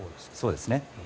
そうですね。